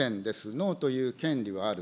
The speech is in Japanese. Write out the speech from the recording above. ノーという権利はある。